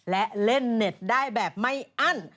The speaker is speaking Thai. และเล่นเน็ตได้แบบไม่อั้น